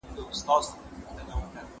هغه وويل چي بوټونه پاک ساتل مهم دي!!